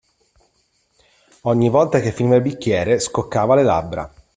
Ogni volta che finiva il bicchiere scoccava le labbra.